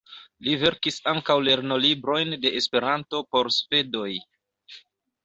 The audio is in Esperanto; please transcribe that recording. Li verkis ankaŭ lernolibrojn de Esperanto por svedoj.